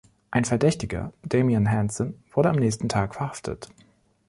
Ein Verdächtiger, Damien Hanson, wurde am nächsten Tag verhaftet.